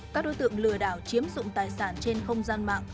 các đối tượng lừa đảo chiếm dụng tài sản trên không gian mạng